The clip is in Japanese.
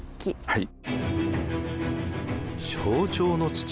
はい。